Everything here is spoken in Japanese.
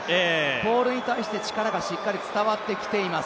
ポールに対して力がしっかり伝わってきています。